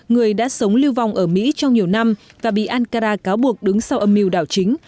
người đã sống lưu vong ở mỹ trong nhiều năm và bị ankara cáo buộc đứng sau âm mưu đảo chính